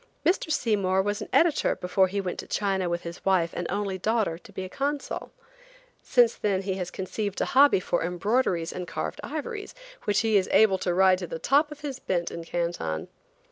Mr. Seymour was an editor before he went to China with his wife and only daughter, to be consul. Since then he has conceived a hobby for embroideries and carved ivories, which he is able to ride to the top of his bent in Canton.